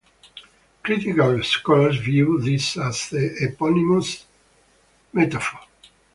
Critical scholars view this as an eponymous metaphor.